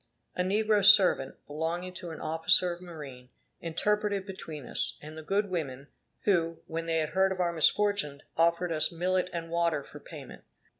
A negro servant, belonging to an officer of marine, interpreted between us; and the good women, who, when they had heard of our misfortunes, offered us millet and water for payment.